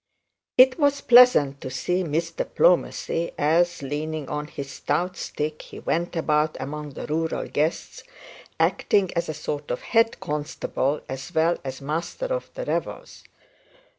It was pleasant to see Mr Plomacy, as leaning on his stout stick he went about among the rural guests, acting as a sort of head constable as well as master of the revels.